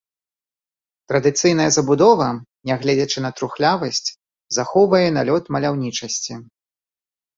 Традыцыйная забудова, нягледзячы на трухлявасць, захоўвае налёт маляўнічасці.